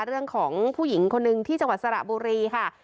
เรื่องของผู้หญิงคนหนึ่งที่จังหวัดสระบุรีค่ะ